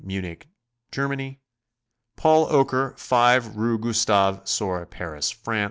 Munich, Germany. Paul Oelier, 5 Rue Gustave Sore, Paris, France.